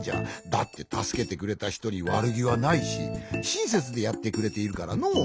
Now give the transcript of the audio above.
だってたすけてくれたひとにわるぎはないししんせつでやってくれているからのう。